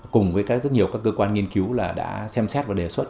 cùng với rất nhiều cơ quan nghiên cứu đã xem xét và đề xuất